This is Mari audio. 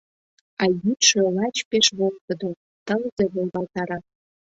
А йӱдшӧ лач пеш волгыдо: тылзе волгалтара...